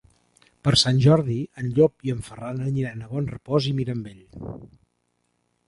Per Sant Jordi en Llop i en Ferran aniran a Bonrepòs i Mirambell.